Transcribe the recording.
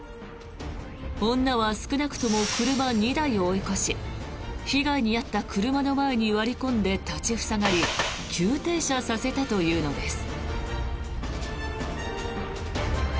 女は少なくとも車２台を追い越し被害に遭った車の前に割り込んで立ち塞がり急停車させたというのです。